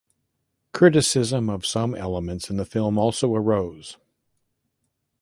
Criticism of some elements in the film also arose.